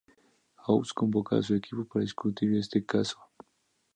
House convoca a su equipo para discutir este caso.